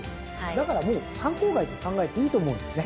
だからもう参考外と考えていいと思うんですね。